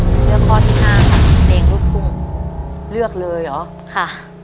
เลือกข้อที่ห้าค่ะเพลงลูกทุ่งเลือกเลยเหรอค่ะ